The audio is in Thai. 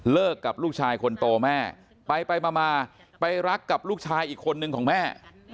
กับลูกชายคนโตแม่ไปมาไปรักกับลูกชายอีกคนนึงของแม่